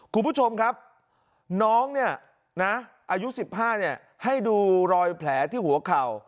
คุณผู้ชมครับน้องเนี่ยนะอายุ๑๕ให้ดูรอยแผลที่หัวเข่า